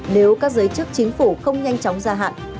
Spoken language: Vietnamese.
nếu các giới chức chính phủ không nhanh chóng gia hạn